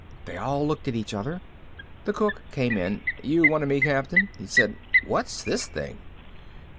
They all looked at each other. The cook came in. "You wanted me, Captain?" he said. "What's this thing?"